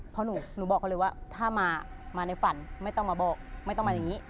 เพราะหนูบอกเขาเลยว่าถ้ามาในฝันไม่ต้องมาบอกไม่ต้องมาอย่างนี้